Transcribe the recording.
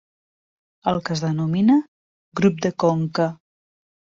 El que es denomina Grup de Conca.